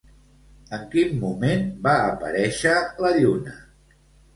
En quin moment va aparèixer la lluna?